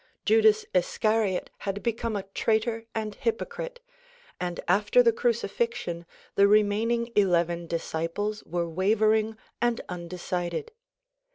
Judas Iscariot had become a traitor and hypocrite, and after the crucifixion the remaining eleven disciples were wavering and undecided.